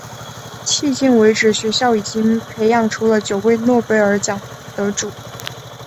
迄今为止学校已经培养出了九位诺贝尔奖得主。